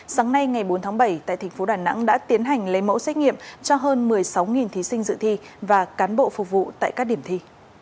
sáng nay ngày bốn tháng bảy tại thành phố đà nẵng đã tiến hành lấy mẫu xét nghiệm cho hơn một mươi sáu thí sinh dự thi và cán bộ phục vụ tại các điểm thi